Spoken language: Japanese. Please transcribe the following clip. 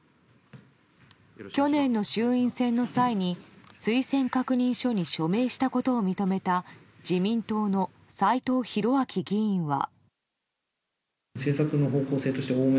去年の衆院選の際に推薦確認書に署名したことを認めた自民党の斎藤洋明議員は。